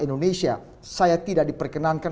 indonesia saya tidak diperkenankan